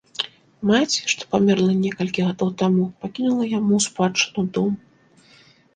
Маці, што памерла некалькі гадоў таму, пакінула яму ў спадчыну дом.